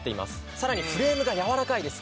さらにフレームがやわらかいです。